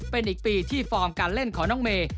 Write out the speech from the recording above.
เป็นอีกปีที่ฟอร์มการเล่นของน้องเมย์